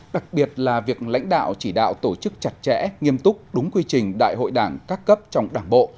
đặc biệt là việc lãnh đạo chỉ đạo tổ chức chặt chẽ nghiêm túc đúng quy trình đại hội đảng các cấp trong đảng bộ